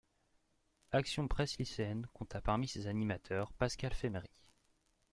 Actions Presse lycéennes compta parmi ses animateurs Pascal Famery.